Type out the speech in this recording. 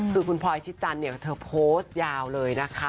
คือคุณพลอยชิดจันเนี่ยเธอโพสต์ยาวเลยนะคะ